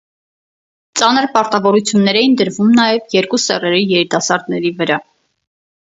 Ծանր պարտավորություններ էին դրվում նաև երկու սեռերի երիտասարդների վրա։